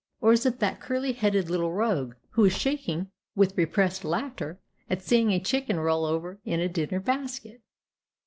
Or is it that curly headed little rogue, who is shaking with repressed laughter at seeing a chicken roll over in a dinner basket?